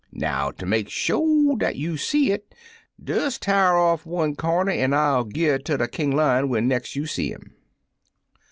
Now, ter make sho' dat you seed it, des t'ar off one comder, an' gi' it to King Lion when nex' you see 'im.